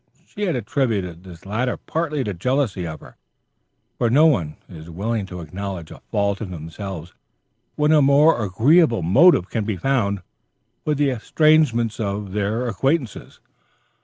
She had attributed this latter partly to jealousy of her, for no one is willing to acknowledge a fault in himself when a more agreeable motive can be found for the estrangement of his acquaintances.